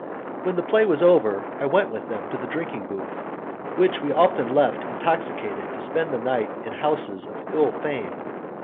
When the play was over, I went with them to the drinking booth, which we often left intoxicated to spend the night in houses of ill fame.